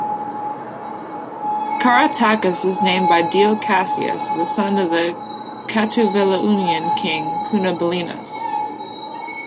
Caratacus is named by Dio Cassius as a son of the Catuvellaunian king Cunobelinus.